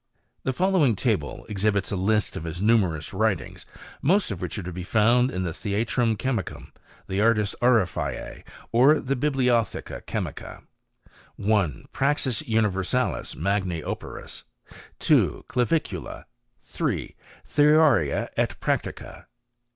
The following table esbihits a list of his numerous writings, most of which are to be found in the Theatrum Chemicum, the Artis Auriferee, or the Biblotheca Chemica. 1 . Praxis Universalis Magni Operis. 2. Clavicula. 3. Theoria et Practlca.